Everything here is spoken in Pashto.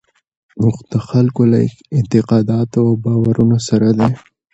اوښ د خلکو له اعتقاداتو او باورونو سره دی.